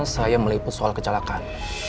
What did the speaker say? saya meliput soal kecelakaan